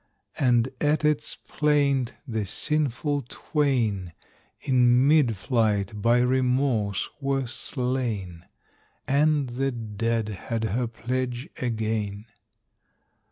And at its plaint the sinful twain In mid flight by remorse were slain, And the dead had her pledge again.